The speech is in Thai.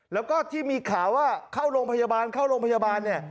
แล้วก็ที่มีข่าวว่าเข้าโรงพยาบาลเนี่ย